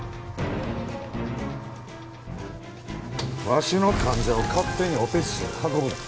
わしの患者を勝手にオペ室に運ぶな。